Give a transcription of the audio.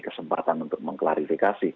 kesempatan untuk mengklarifikasi